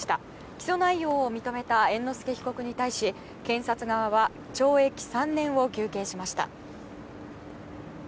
起訴内容を認めた猿之助被告に対し検察側は懲役３年を求刑しました。